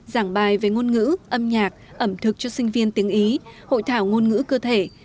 giảng bài về ngôn ngữ âm nhạc ẩm thực cho sinh viên tiếng ý hội thảo ngôn ngữ cơ thể